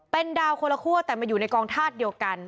เป็นดาวคนละคั่วแต่มาอยู่ในกองธาตุเดียวกัน